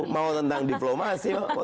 mau tentang diplomasi